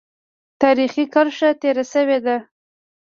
تاریخي کرښه تېره شوې ده.